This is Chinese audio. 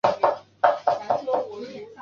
采用这种方式表示的目的是简化比较。